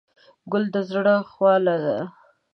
ګل د زړه خواله ده.